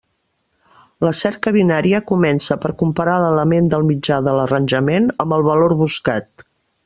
La cerca binària comença per comparar l'element del mitjà de l'arranjament amb el valor buscat.